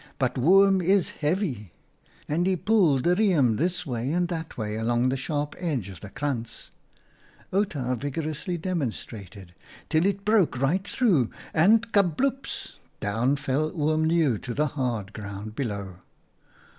but Oom is heavy,' and he pulled the riem this way and that way along the sharp edge of the krantz "— Outa vigorously demonstrated — "till it broke right through and — kabloops !— down fell Oom Leeuw to the hard ground below.